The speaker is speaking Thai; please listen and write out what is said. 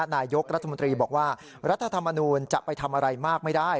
นายกรัฐมนตรีบอกว่ารัฐธรรมนูลจะไปทำอะไรมากไม่ได้